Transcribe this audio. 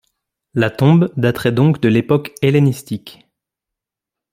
La tombe daterait donc de l'époque hellénistique.